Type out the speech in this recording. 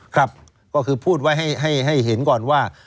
ครับก็คือพูดไว้ให้เห็นก่อนว่า